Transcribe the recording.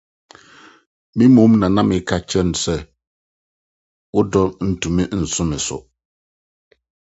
me mmom na na mereka akyerɛ no sɛ: ‘ Wo dɔ ntumi nso me so.